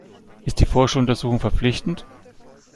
Ist die Vorschuluntersuchung verpflichtend?